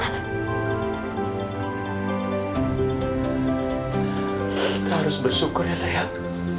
kita harus bersyukur ya sayang